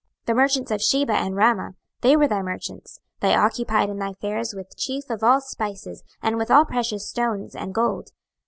26:027:022 The merchants of Sheba and Raamah, they were thy merchants: they occupied in thy fairs with chief of all spices, and with all precious stones, and gold.